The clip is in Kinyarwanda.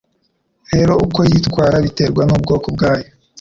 Rero uko yitwara biterwa n'ubwoko bwayo